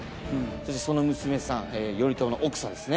そしてその娘さん頼朝の奥さんですね。